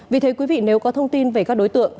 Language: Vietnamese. vì thế quý vị nếu có thông tin về các đối tượng